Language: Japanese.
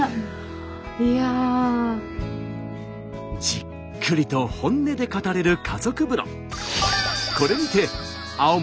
じっくりと本音で語れる家族風呂。